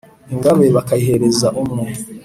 Ingabe bakayihereza umwe